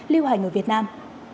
lưu hành ở việt nam